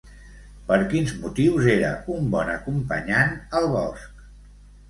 Per quins motius era un bon acompanyant al bosc?